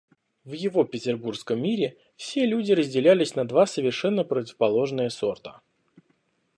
В его петербургском мире все люди разделялись на два совершенно противоположные сорта.